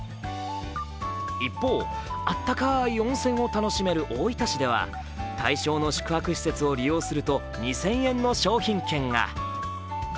一方、あったかい温泉を楽しめる大分市では対象の宿泊施設を利用すると２０００円の商品券が。